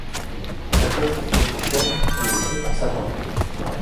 Sa coque est en chêne et le pont en sapin.